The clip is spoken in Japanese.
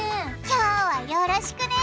今日はよろしくね！